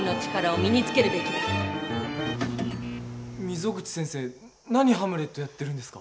溝口先生何ハムレットやってるんですか？